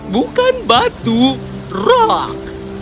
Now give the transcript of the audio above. bukan batu roak